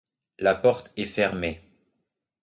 La porte est fermée.